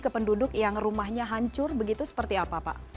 ke penduduk yang rumahnya hancur begitu seperti apa pak